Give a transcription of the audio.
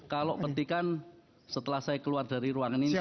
kalau petikan setelah saya keluar dari ruangan ini